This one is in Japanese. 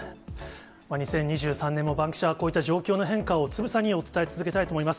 ２０２３年もバンキシャ！は、こうした状況の変化をつぶさにお伝え続けたいと思います。